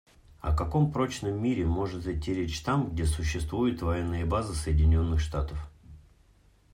О каком прочном мире может идти речь там, где существуют военные базы Соединенных Штатов?